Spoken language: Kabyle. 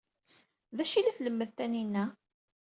D acu ay la tlemmed Taninna?